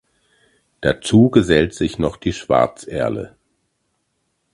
Dazu gesellt sich noch die Schwarzerle.